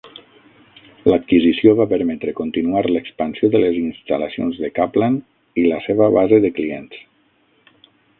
L'adquisició va permetre continuar l'expansió de les instal·lacions de Caplan i la seva base de clients.